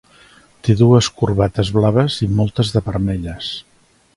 Té dues corbates blaves i moltes de vermelles.